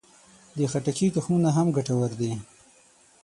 د خټکي تخمونه هم ګټور دي.